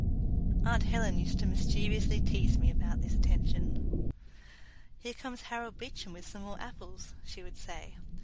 Aunt Helen used to mischievously tease me about this attention. "Here comes Harry Beecham with some more apples," she would say.